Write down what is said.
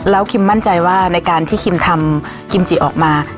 คิมมั่นใจว่าในการที่คิมทำกิมจิออกมา